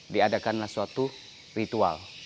diadakanlah suatu ritual